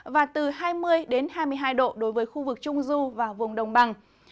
và từ hai mươi hai mươi hai độ đối với khu vực trung du và vùng đồng bằng